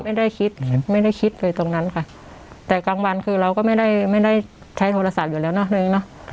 ไม่ได้คิดไม่ได้คิดเลยตรงนั้นค่ะแต่กลางวันคือเราก็ไม่ได้ไม่ได้ใช้โทรศัพท์อยู่แล้วเนอะหนึ่งเนอะ